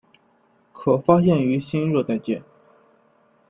可发现于新热带界。